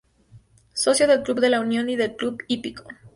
Socio del Club de la Unión y del Club Hípico.